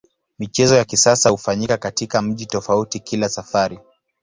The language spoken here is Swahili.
Michezo ya kisasa hufanyika katika mji tofauti kila safari.